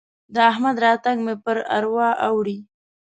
د احمد راتګ مې پر اروا اوري.